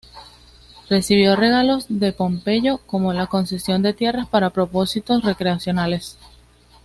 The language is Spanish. Recibió regalos de Pompeyo como la concesión de tierras para propósitos recreacionales.